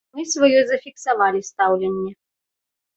Мы сваё зафіксавалі стаўленне.